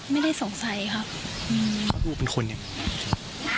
ไม่ได้สงสัยครับ